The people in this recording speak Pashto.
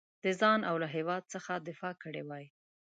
د ځان او له هیواد څخه دفاع کړې وای.